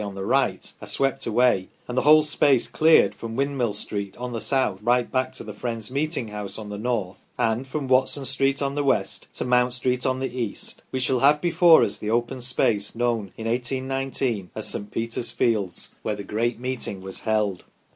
on the right, are swept away, and the whole space cleared, from Windmill Street on the south right back to the Friends' meeting house on the north, and from Watson Street on the west to Mount Street on the east, we shall have before us the open space known in 1819 as St. Peter's fields, where the great meeting was held.